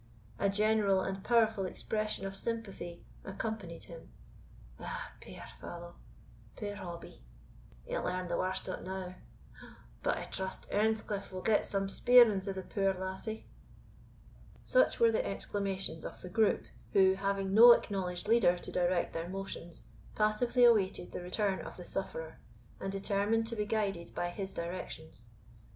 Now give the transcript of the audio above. A general and powerful expression of sympathy accompanied him. "Ah, puir fallow puir Hobbie!" "He'll learn the warst o't now!" "But I trust Earnscliff will get some speerings o' the puir lassie." Such were the exclamations of the group, who, having no acknowledged leader to direct their motions, passively awaited the return of the sufferer, and determined to be guided by his directions.